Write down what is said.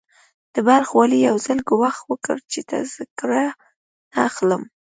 د بلخ والي يو ځل ګواښ وکړ چې تذکره نه اخلم.